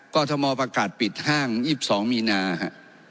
ก็ทมประกาศปิดห้าง๒๒มีนาฮะ